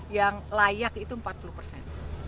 yang layak itu empat puluh persen